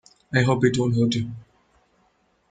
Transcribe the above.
I hope it won't hurt you.